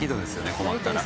困ったら。